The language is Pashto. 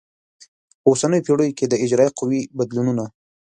په اوسنیو پیړیو کې د اجرایه قوې بدلونونه